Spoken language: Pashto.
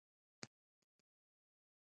پیاله د ملای د چای لپاره خاصه ده.